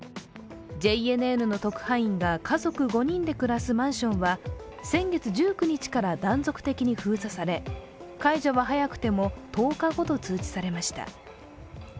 ＪＮＮの特派員が家族５人で暮らすマンションは先月１９日から断続的に封鎖され解除は早くても１０日後と通知されました。